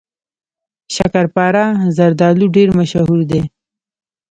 شکرپاره زردالو ډیر مشهور دي.